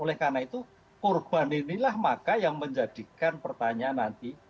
oleh karena itu korban inilah maka yang menjadikan pertanyaan nanti